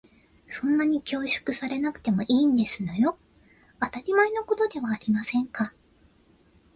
そんなに恐縮されなくてもいいんですのよ。当たり前のことではありませんか。